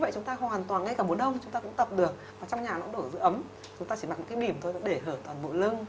chúng ta chỉ mặc một cái bìm thôi để hở toàn bộ lưng